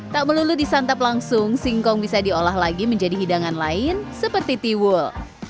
tak melulu disantap langsung singkong bisa diolah lagi menjadi hidangan lain seperti tiwul